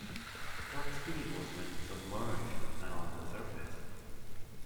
Top speed was when submerged, and on the surface.